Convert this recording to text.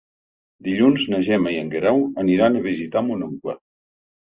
Dilluns na Gemma i en Guerau aniran a visitar mon oncle.